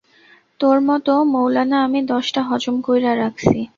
তোর মতো মৌলানা আমি দশটা হজম কইরা রাখছি।